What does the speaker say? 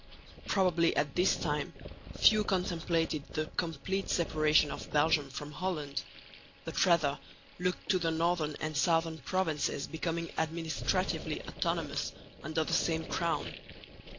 Probably at this time few contemplated the complete separation of Belgium from Holland, but rather looked to the northern and southern provinces becoming administratively autonomous under the same crown.